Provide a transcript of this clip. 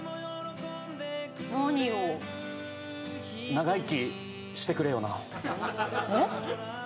長生きしてくれよな。